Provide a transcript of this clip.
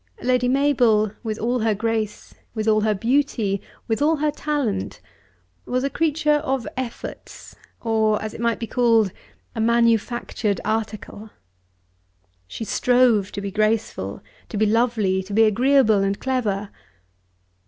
Lady Mabel with all her grace, with all her beauty, with all her talent, was a creature of efforts, or, as it might be called, a manufactured article. She strove to be graceful, to be lovely, to be agreeable and clever.